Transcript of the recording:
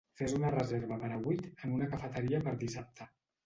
Fes una reserva per a vuit en una cafeteria per dissabte